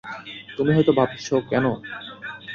তুমি হয়ত ভাবছ কেন।